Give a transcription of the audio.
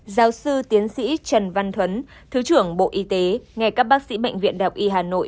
giáo sư tiến sĩ trần văn thuấn thứ trưởng bộ y tế nghe các bác sĩ bệnh viện đại học y hà nội